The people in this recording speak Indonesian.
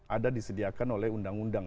ada disediakan oleh undang undang